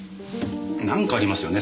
何かありますよね